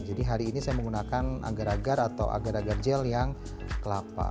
jadi hari ini saya menggunakan agar agar atau agar agar gel yang kelapa